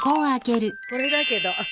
これだけど。